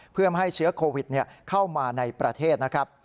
เพื่อไม่ให้เชื้อโควิดเข้ามาในประเทศนะครับ